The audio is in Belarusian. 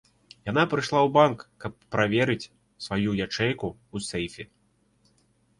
Яна прыйшла ў банк, каб праверыць сваю ячэйку ў сейфе.